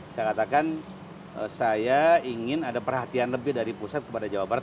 saya katakan saya ingin ada perhatian lebih dari pusat kepada jawa barat